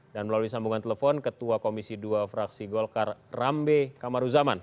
dan melalui sambungan telepon ketua komisi dua fraksi golkar rambe kamaruzaman